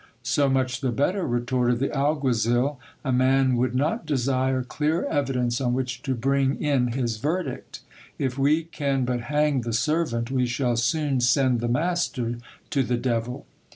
So much the better, retorted the alguazil ; a man would not desire clearer evidence on which to bring in his verdict. If we can but hang the servant, we shall soon send the master to the devil.